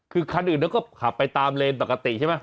คือคันอื่นก็ขับไปตามเลนปกติใช่ไหม